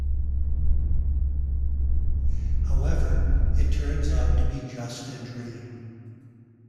However, it turns out to be just a dream.